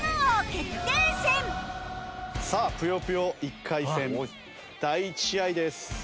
さあ『ぷよぷよ』１回戦第１試合です。